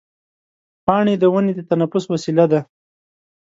پاڼې د ونې د تنفس وسیله ده.